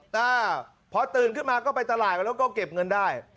อ่าพอตื่นขึ้นมาก็ไปตลาดแล้วก็เก็บเงินได้